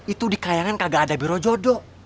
itu di kayangan kagak ada biro jodoh